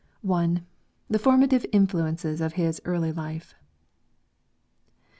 I. The formative influences of his early life.